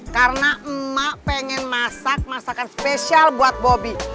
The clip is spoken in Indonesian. karena emak pengen masak masakan spesial buat bobby